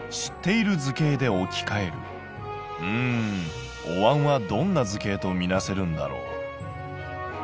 うんおわんはどんな図形とみなせるんだろう。